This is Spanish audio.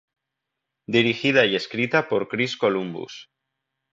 Dirigida y escrita por Chris Columbus.